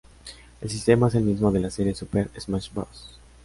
El sistema es el mismo de la serie Super Smash Bros.